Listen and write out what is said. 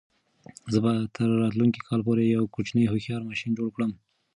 زه به تر راتلونکي کال پورې یو کوچنی هوښیار ماشین جوړ کړم.